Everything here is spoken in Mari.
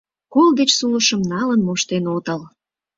Кол деч сулышым налын моштен отыл!